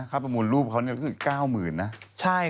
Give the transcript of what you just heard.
ค่าประมูลรูปเขาเนี่ยคือ๙๐๐๐๐นะทุกวันนี้ใช่๙๐๐๐๐อ่ะ